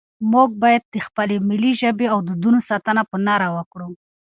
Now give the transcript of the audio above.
موږ باید د خپلې ملي ژبې او دودونو ساتنه په نره وکړو.